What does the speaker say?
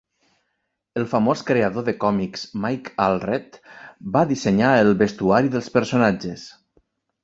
El famós creador de còmics Mike Allred va dissenyar el vestuari dels personatges.